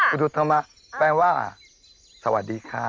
อุทุธรรมะแปลว่าสวัสดีค่ะ